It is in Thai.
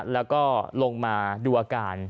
แล้วก็ลงมาดูอาการ